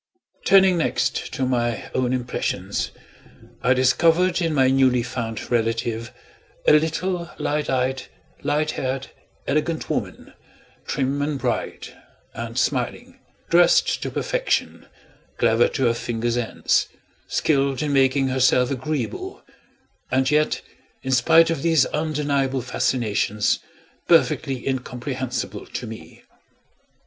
Turning next to my own impressions, I discovered in my newly found relative, a little light eyed, light haired, elegant woman; trim, and bright, and smiling; dressed to perfection, clever to her fingers' ends, skilled in making herself agreeable and yet, in spite of these undeniable fascinations, perfectly incomprehensible to me.